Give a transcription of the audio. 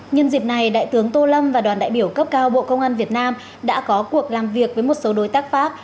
nhân dịp này đại tướng tô lâm và đoàn đại biểu cấp cao bộ công an việt nam đã có cuộc làm việc với một số đối tác pháp